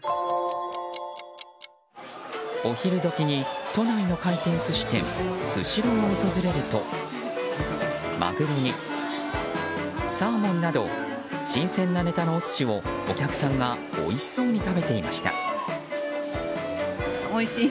お昼どきに、都内の回転寿司店スシローを訪れるとマグロにサーモンなど新鮮なネタのお寿司をお客さんがおいしそうに食べていました。